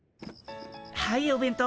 はいお弁当。